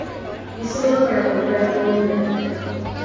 Y solo para comprar comida.